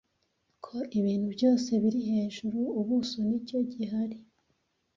Ko ibintu byose biri hejuru. Ubuso nicyo gihari